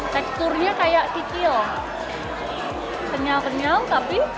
dan juga dengan kukus